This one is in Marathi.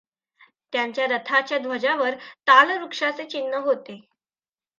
त्यांच्या रथाच्या ध्वजावर तालवृक्षाचे चिन्ह होते.